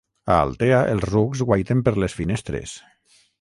A Altea els rucs guaiten per les finestres.